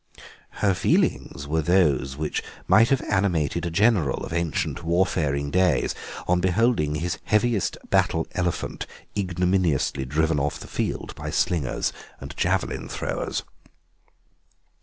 Her feelings were those which might have animated a general of ancient warfaring days, on beholding his heaviest battle elephant ignominiously driven off the field by slingers and javelin throwers.